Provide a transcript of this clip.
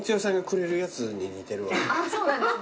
そうなんですね。